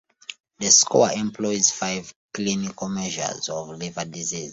The score employs five clinical measures of liver disease.